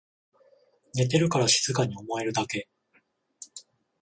寝てるから静かに思えるだけ